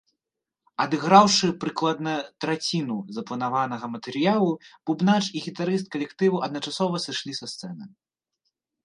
Адыграўшы прыкладна траціну запланаванага матэрыялу бубнач і гітарыст калектыву адначасова сышлі са сцэны.